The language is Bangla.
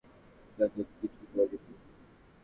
কিন্তু এত কিছু বলিনি।